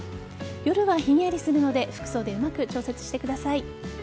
夜はひんやりするので服装でうまく調節してください。